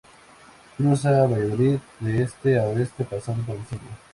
Cruza Valladolid de este a oeste pasando por el centro.